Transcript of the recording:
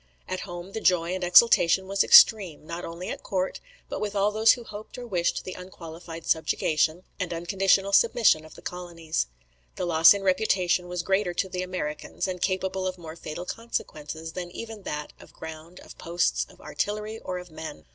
"At home, the joy and exultation was extreme; not only at court, but with all those who hoped or wished the unqualified subjugation, and unconditional submission of the colonies. The loss in reputation was greater to the Americans, and capable of more fatal consequences, than even that of ground, of posts, of artillery, or of men.